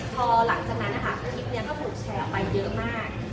พอหลังจากนั้นนะคะคลิปนี้ก็ถูกแชร์ออกไปเยอะมาก